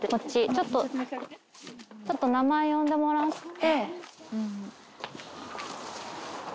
ちょっと、ちょっと名前呼んでもらって。